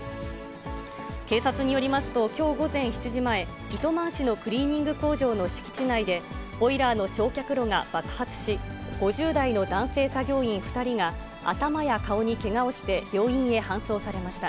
警察によりますと、きょう午前７時前、糸満市のクリーニング工場の敷地内で、ボイラーの焼却炉が爆発し、５０代の男性作業員２人が、頭や顔にけがをして病院へ搬送されました。